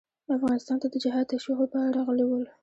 افغانستان ته د جهاد تشویق لپاره راغلي ول.